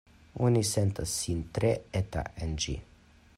Oni sentas sin tre eta en ĝi.